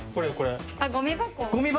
ごみ箱？